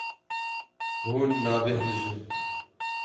Hûn nabêhnijin.